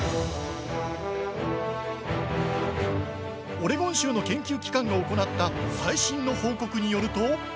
オレゴン州の研究機関が行った最新の報告によると。